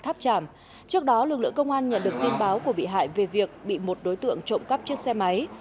trước đó lực lượng công an nhận được tin báo của bị hại về việc bị một đối tượng trộm cắp chiếc xe máy